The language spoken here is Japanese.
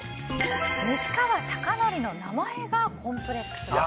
西川貴教の名前がコンプレックスだった。